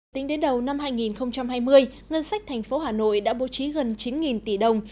tính đến đầu năm hai nghìn hai mươi ngân sách thành phố hà nội đã bố trí gần chín tỷ đồng